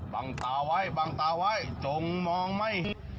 ปังตาไว้ปังตาไว้จงมองไม่